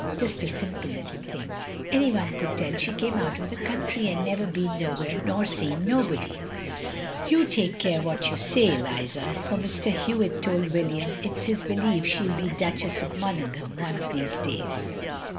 Just a simple little thing! Any one could tell she came out of the country and never been no where nor seen nobody. "" You take care what you say, Eliza ; for Mr. Hewitt told William it 's his belief she '11 be Duch ess of Monaghan one of these days.